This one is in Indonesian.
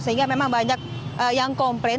sehingga memang banyak yang komplain